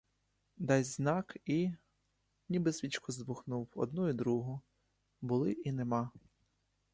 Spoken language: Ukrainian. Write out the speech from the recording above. Дасть знак і — ніби свічку здмухнув, одну і другу; були і нема!